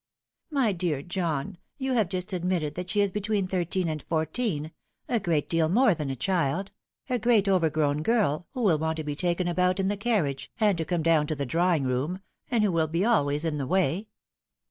" My dear John, you have just admitted that she is between thirteen and fourteen a great deal more than a child a great overgrown girl, who will want to be taken about in the carriage, and to come down to the drawing room, and who will be always in the way.